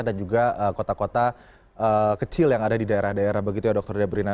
dan juga kota kota kecil yang ada di daerah daerah begitu ya dokter debrina